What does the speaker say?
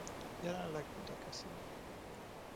Jelenleg Budakeszin él.